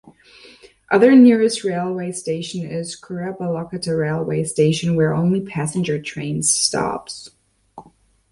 Other nearest Railway Station is Kurabalakota Railway Station where only Passenger trains stops.